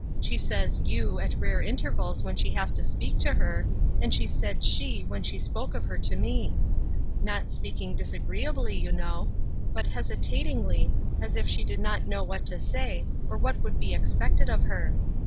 She says ' you ' at rare intervals when she has to speak to her, and she said ' she,' when she spoke of her to me ; not speaking disagreeably you know, but hesitatingl}^, as if she did not know what to say, or what would be expected of her.